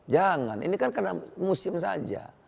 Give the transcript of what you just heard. jangan ini kan karena musim saja